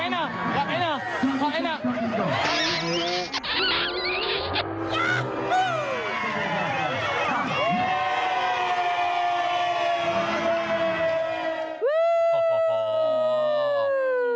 แล้วเนี่ย